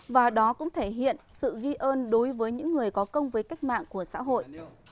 và đó cũng thể hiện sự ghi ơn đối với những người có công với cách mạng của xã hội